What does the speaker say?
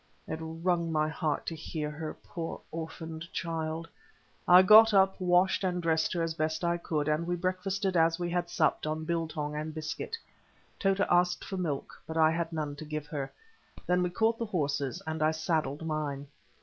It wrung my heart to hear her, poor orphaned child. I got up, washed and dressed her as best I could, and we breakfasted as we had supped, on biltong and biscuit. Tota asked for milk, but I had none to give her. Then we caught the horses, and I saddled mine.